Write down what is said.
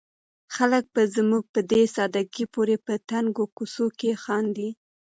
خلک به زموږ په دې ساده ګۍ پورې په تنګو کوڅو کې خاندي.